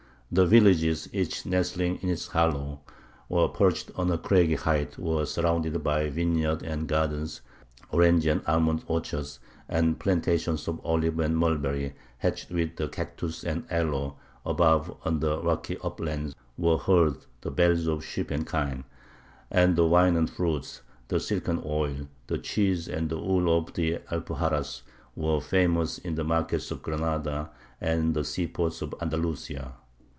The villages, each nestling in its hollow, or perched on a craggy height, were surrounded by vineyards and gardens, orange and almond orchards, and plantations of olive and mulberry, hedged with the cactus and aloe; above, on the rocky uplands, were heard the bells of sheep and kine; and the wine and fruit, the silk and oil, the cheese and the wool of the Alpuxarras, were famous in the markets of Granada and the seaports of Andalusia."